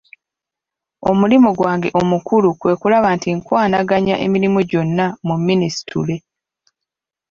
Omulimu gwange omukulu kwe kulaba nti nkwanaganya emirimu gyonna mu minisitule.